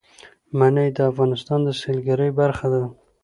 منی د افغانستان د سیلګرۍ برخه ده.